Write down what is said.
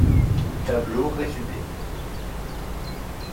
Tableau résumé.